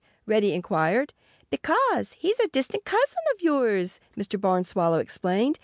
Reddy inquired. "Because he's a distant cousin of yours," Mr. Barn Swallow explained.